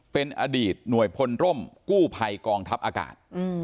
เป็นอดีตหน่วยพลร่มกู้ภัยกองทัพอากาศ